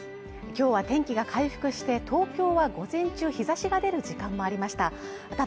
今日は天気が回復して東京は午前中日差しが出る時間もありました